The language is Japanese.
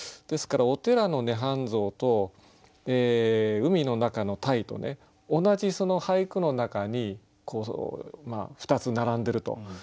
ですからお寺の涅槃像と海の中の鯛とね同じその俳句の中に２つ並んでると。